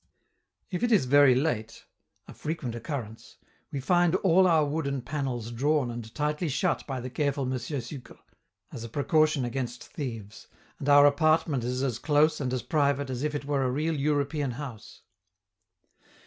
If it is very late a frequent occurrence we find all our wooden panels drawn and tightly shut by the careful M. Sucre (as a precaution against thieves), and our apartment is as close and as private as if it were a real European house.